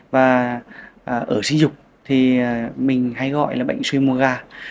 và ở sinh dục thì mình hay gọi là bệnh sui mùa ga